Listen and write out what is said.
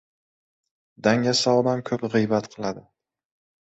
• Dangasa odam ko‘p g‘iybat qiladi.